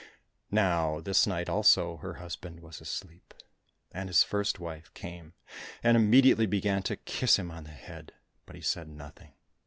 Now this night also her husband was asleep. And his first wife came and immediately began to kiss him on the head, but he said nothing.